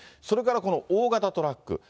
それからこの大型トラック。